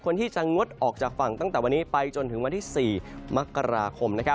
คนที่จะงดออกจากฝั่งตั้งแต่วันนี้ไปจนถึงวันที่๔มกราคม